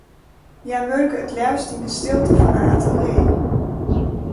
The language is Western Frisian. Hja wurke it leafst yn 'e stilte fan har atelier.